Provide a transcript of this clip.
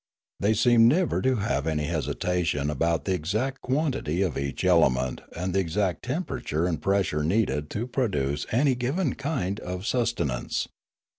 They seemed never to have any hesita tion about the exact quantity of each element and the exact temperature and pressure needed to produce any given kind of sustenance.